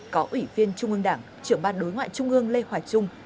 có ủy viên trung ương đảng trưởng ban đối ngoại trung ương lê hoài trung